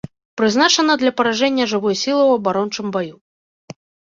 Прызначана для паражэння жывой сілы ў абарончым баю.